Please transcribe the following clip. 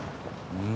うん。